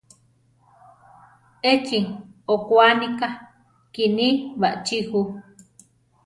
Échi okwaníka kíni baʼchí ju.